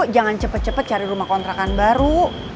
jangan cepet cepet cari rumah kontrakan baru